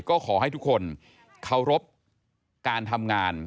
ก็ขอให้ทุกคนเคารพการทำงาน